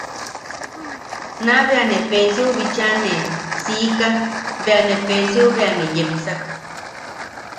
Naa bea ne Peesiou bicha ne siika, bea ne Peesiou bea ne yepsak.